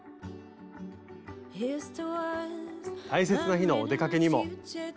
大切な日のお出かけにも。